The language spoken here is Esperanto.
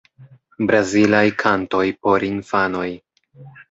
Brazilaj kantoj por infanoj.